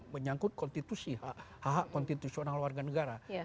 menyangkut konstitusi hak hak konstitusional warga negara